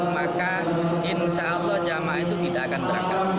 maka insya allah jemaah itu tidak akan berangkat